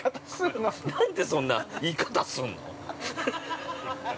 なんでそんな言い方すんの？